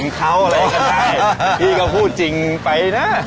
หิ่นเขาอะไรก็ได้พี่ก็พูดจริงไปนะ